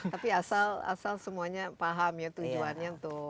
tapi asal semuanya paham ya tujuannya untuk